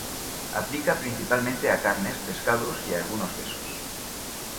Aplica principalmente a carnes, pescados y algunos quesos.